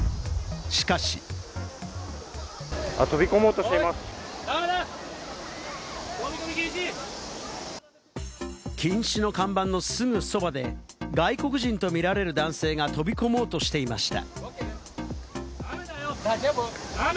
しかし。禁止の看板のすぐそばで、外国人とみられる男性が飛び込もうとしていました。